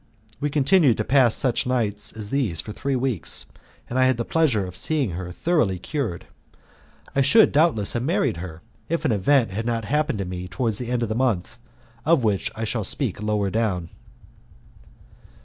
We continued to pass such nights as these for three weeks, and I had the pleasure of seeing her thoroughly cured. I should doubtless have married her, if an event had not happened to me towards the end of the month, of which I shall speak lower down.